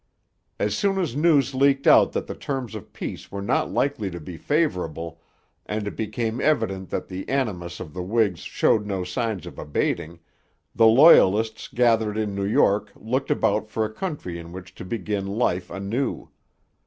As soon as news leaked out that the terms of peace were not likely to be favourable, and it became evident that the animus of the Whigs showed no signs of abating, the Loyalists gathered in New York looked about for a country in which to begin life anew.